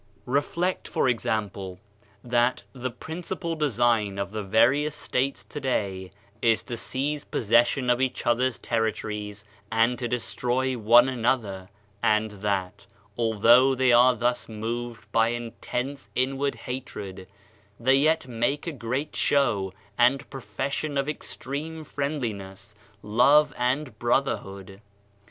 Reflect, for example, that the principal design of the various sutes today is to seize possession of each other's territories and to destroy one an other, and that, although they are thus moved by intense inward hatred, they yet make a great show and profession of extreme friendliness, love and brotherhood.